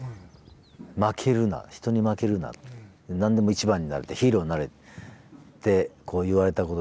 負けるな人に負けるな何でも一番になれヒーローになれって言われたことで。